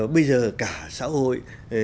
bây giờ cả xã hội